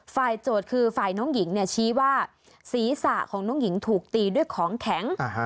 โจทย์คือฝ่ายน้องหญิงเนี่ยชี้ว่าศีรษะของน้องหญิงถูกตีด้วยของแข็ง